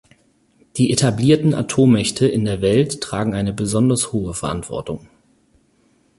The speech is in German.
Die etablierten Atommächte in der Welt tragen eine besonders hohe Verantwortung.